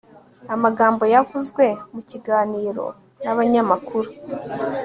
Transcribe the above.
amagambo yavuzwe mu kiganiro nabanyamakuru